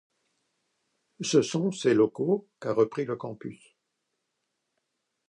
Ce sont ses locaux qu'a repris le campus.